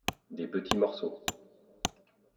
des petits morceaux.